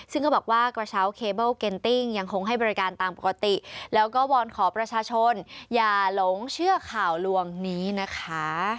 ซึ่งก็บอกว่ากระเช้าเคเบิลเคนติ้งยังคงให้บริการตามปกติแล้วก็วอนขอประชาชนอย่าหลงเชื่อข่าวลวงนี้นะคะ